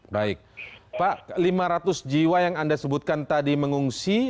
baik pak lima ratus jiwa yang anda sebutkan tadi mengungsi